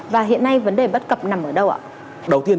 và hiện nay vấn đề bất cập nằm ở đâu ạ